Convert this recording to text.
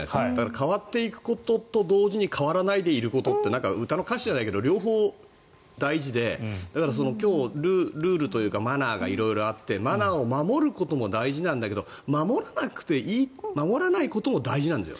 変わっていくことと同時に変わらないでいることって歌の歌詞じゃないけど両方大事でだから今日、ルールというかマナーが色々あってマナーを守ることも大事なんだけど守らなくていい守らないことも大事なんですよ。